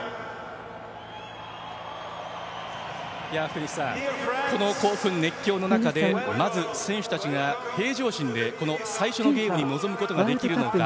福西さん、この興奮、熱狂の中でまず、選手たちが平常心でこの最初のゲームに臨むことができるのか。